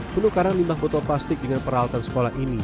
penukaran limbah botol plastik dengan peralatan sekolah ini